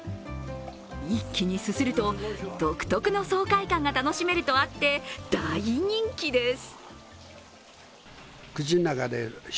一気にすすると、独特の爽快感が楽しめるとあって大人気です。